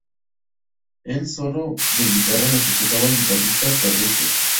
El solo de guitarra lo ejecuta el guitarrista Carlitos.